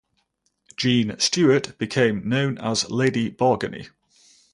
Jean Stewart became known as "Lady Bargany".